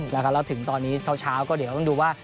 แล้วถึงตอนนี้เช้าก็เดี๋ยวต้องดูว่า